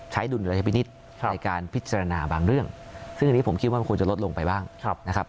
ดุลยพินิษฐ์ในการพิจารณาบางเรื่องซึ่งอันนี้ผมคิดว่ามันควรจะลดลงไปบ้างนะครับ